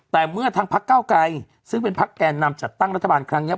แต่เมื่อทางพักเก้าไกรซึ่งเป็นพักแกนนำจัดตั้งรัฐบาลครั้งนี้